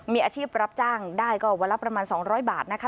มีอาชีพรับจ้างได้ก็วันละประมาณ๒๐๐บาทนะคะ